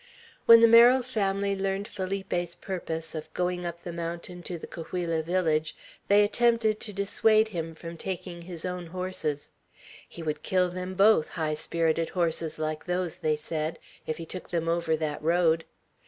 When the Merrill family learned Felipe's purpose of going up the mountain to the Cahuilla village, they attempted to dissuade him from taking his own horses. He would kill them both, high spirited horses like those, they said, if he took them over that road.